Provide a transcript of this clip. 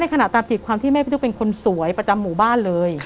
ขณะตามจิตความที่แม่พี่ตุ๊กเป็นคนสวยประจำหมู่บ้านเลย